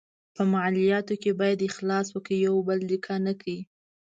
په معالاتو کې باید اخلاص وي، یو بل ډیکه نه کړي.